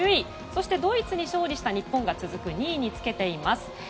そしてドイツに勝利した日本が２位につけています。